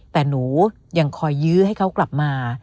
แต่หนูยังคอยยื้อให้เขากลับมา